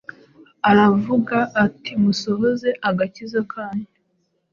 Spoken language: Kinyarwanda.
Aravuga ati: “musohoze agakiza kanyu.